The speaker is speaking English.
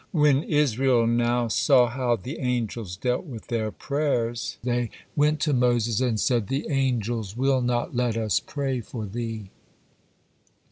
When Israel now saw how the angels dealt with their prayers, they went to Moses and said, "The angels will not let us pray for thee."